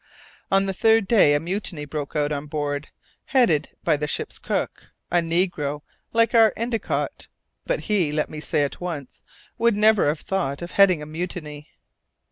On the third day a mutiny broke out on board, headed by the ship's cook, a negro like our Endicott; but he, let me say at once, would never have thought of heading a mutiny.